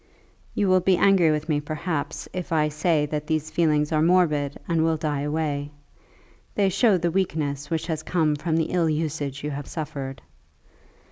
"You will be angry with me, perhaps, if I say that these feelings are morbid and will die away. They show the weakness which has come from the ill usage you have suffered."